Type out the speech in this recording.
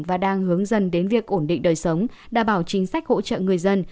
và đang hướng dần đến việc ổn định đời sống đảm bảo chính sách hỗ trợ người dân